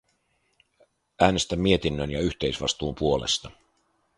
Äänestän mietinnön ja yhteisvastuun puolesta.